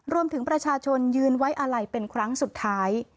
รวมถึงประชาชนยืนไว้อาลัยเป็นครั้งสุดท้าย